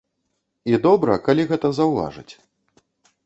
І добра, калі гэта заўважаць.